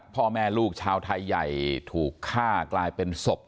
พ่อแม่ลูกชาวไทยใหญ่ถูกฆ่ากลายเป็นศพ